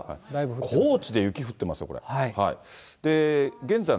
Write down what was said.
高知で雪降ってますよ、これ。